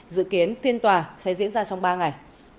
dự kiến phiên tòa sẽ diễn ra trong ba ngày